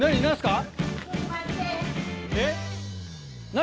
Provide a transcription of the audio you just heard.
何？